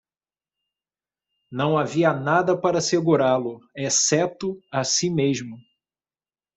Não havia nada para segurá-lo, exceto a si mesmo.